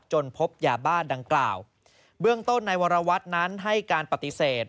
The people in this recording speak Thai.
พบยาบ้าดังกล่าวเบื้องต้นในวรวัตรนั้นให้การปฏิเสธ